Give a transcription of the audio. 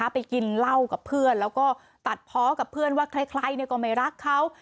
ไปกินเหล้ากับเพื่อนแล้วก็ตัดเพาะกับเพื่อนว่าใครก็ไม่รักเขา